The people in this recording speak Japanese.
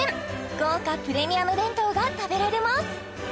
豪華プレミアム弁当が食べられます！